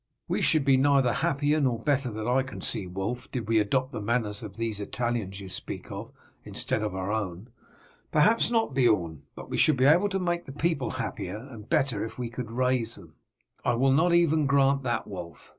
"We should be neither happier nor better that I can see, Wulf, did we adopt the manners of these Italians you speak of instead of our own." "Perhaps not, Beorn, but we should be able to make the people happier and better if we could raise them." "I will not even grant that, Wulf.